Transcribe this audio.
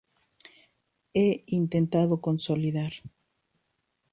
he intentado consolidar